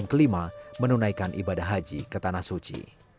kelima menunaikan ibadah haji ke tanah suci